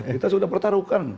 kita sudah pertarung kan